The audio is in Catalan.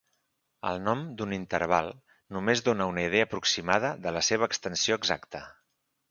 El nom d'un interval només dona una idea aproximada de la seva extensió exacta.